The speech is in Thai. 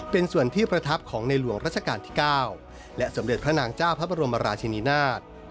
เป็นส่วนที่ประทับของในหลวงรัชกาลที่๙และสมเด็จพระนางเจ้าพระบรมราชินินาศ